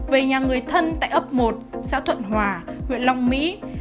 về nhà người thân tại ấp một xã thuận hòa huyện long mỹ